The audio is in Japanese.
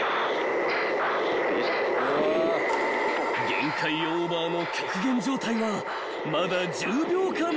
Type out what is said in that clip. ［限界オーバーの極限状態はまだ１０秒間続く］